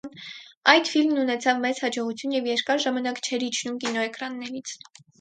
Այդ ֆիլմն ունեցավ մեծ հաջողություն և երկար ժամանակ չէր իջնում կինոէկրաններից։